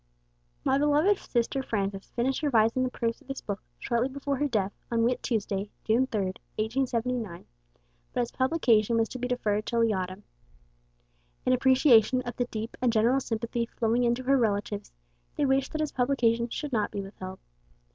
My beloved sister Frances finished revising the proofs of this book shortly before her death on Whit Tuesday, June 3, 1879, but its publication was to be deferred till the Autumn. In appreciation of the deep and general sympathy flowing in to her relatives, they wish that its publication should not be withheld.